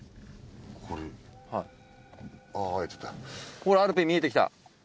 ほらアルペン見えてきた。